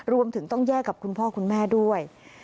รวมถึงต้องแยกกับคุณพ่อคุณแม่ด้วย